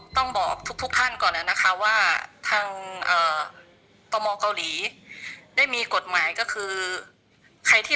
ต้องบอกทุกท่านก่อนนะคะว่าทางตมเกาหลีได้มีกฎหมายก็คือใครที่